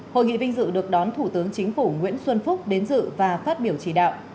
hội nghị vinh dự được đón thủ tướng chính phủ nguyễn xuân phúc đến dự và phát biểu chỉ đạo